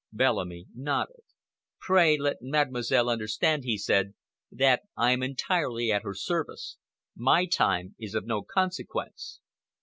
Bellamy nodded. "Pray let Mademoiselle understand," he said, "that I am entirely at her service. My time is of no consequence."